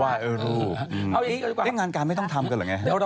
เรื่องงานการไม่ต้องทำกันเหรอไง